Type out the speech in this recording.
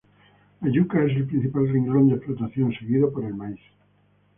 La yuca es el principal renglón de explotación seguido por el maíz.